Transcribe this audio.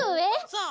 そう。